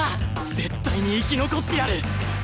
絶対に生き残ってやる！